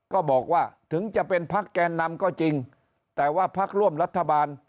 ก็บอกว่าถึงจะเป็นพักแกนนำก็จริงแต่ว่าพักร่วมรัฐบาล